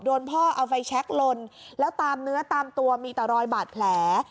พ่อเอาไฟแช็คลนแล้วตามเนื้อตามตัวมีแต่รอยบาดแผล